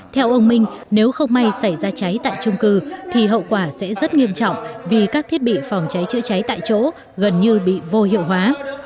theo ông minh nếu không may xảy ra cháy tại trung cư thì hậu quả sẽ rất nghiêm trọng vì các thiết bị phòng cháy chữa cháy tại chỗ gần như bị vô hiệu hóa